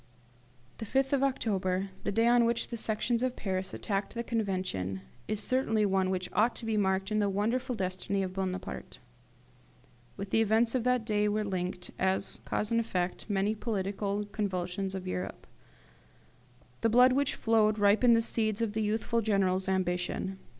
The 5th of October, the day on which the Sections of Paris attacked the Convention, is certainly one which ought to be marked in the wonderful destiny of Bonaparte. With the events of that day were linked, as cause and effect, many great political convulsions of Europe. The blood which flowed ripened the seeds of the youthful General's ambition.